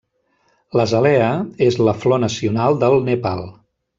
L'azalea és la flor nacional del Nepal.